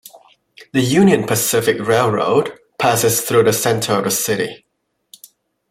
The Union Pacific Railroad passes through the center of the city.